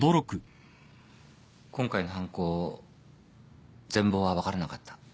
今回の犯行全貌は分からなかった。